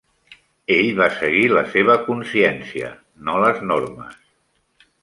Ell va seguir la seva consciència, no les normes.